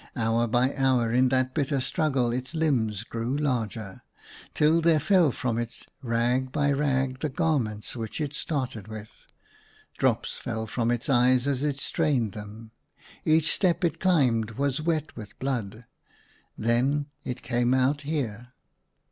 Hour by hour ir^ that bitter struggle its limbs grew larger, till there fell from it rag by rag the gar ments which it started with. Drops fell from its eyes as it strained them ; each step it climbed was wet with blood. Then it came out here."